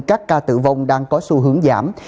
các ca tử vong đang có xu hướng giảm